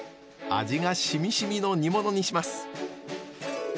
味がしみしみの煮物にします。